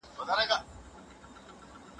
پخوانيو ډلو د فکري تنوع زغم نه درلود.